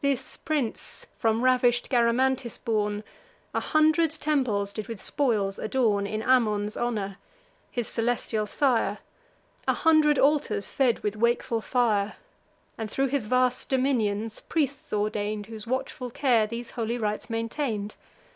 This prince, from ravish'd Garamantis born, A hundred temples did with spoils adorn, In Ammon's honour, his celestial sire; A hundred altars fed with wakeful fire; And, thro' his vast dominions, priests ordain'd, Whose watchful care these holy rites maintain'd.